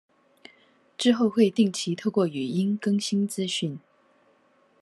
之後會定期透過語音更新資訊